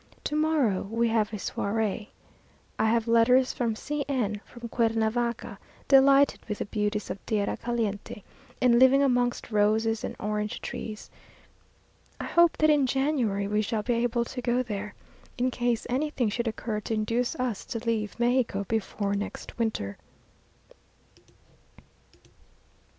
Tomorrow we have a soirée. I have letters from C n, from Cuernavaca, delighted with the beauties of tierra caliente, and living amongst roses and orange trees. I hope that in January we shall be able to go there, in case anything should occur to induce us to leave Mexico before next winter.